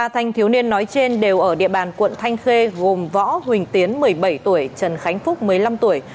ba thanh thiếu niên nói trên đều ở địa bàn quận thanh khê gồm võ huỳnh tiến một mươi bảy tuổi trần khánh phúc một mươi năm tuổi